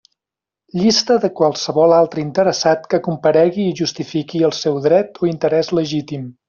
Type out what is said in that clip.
Llista de qualsevol altre interessat que comparegui i justifiqui el seu dret o interès legítim.